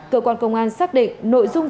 cơ quan công an xác định nội dung